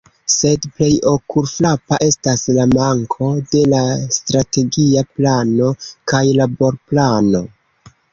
Sed plej okulfrapa estas la manko de la “Strategia Plano kaj Laborplano”.